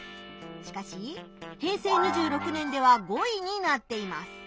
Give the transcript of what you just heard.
しかし平成２６年では５位になっています。